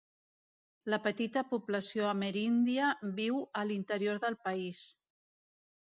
La petita població ameríndia viu a l'interior del país.